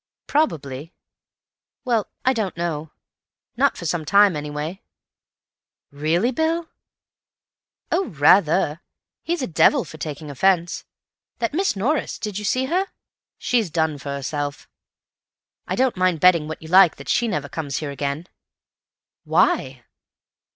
"Probably. Well, I don't know. Not for some time, anyway." "Really, Bill?" "Oh, rather! He's a devil for taking offence. That Miss Norris—did you see her—she's done for herself. I don't mind betting what you like that she never comes here again." "Why?"